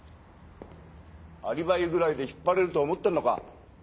アリバイくらいで引っ張れると思ってんのか！？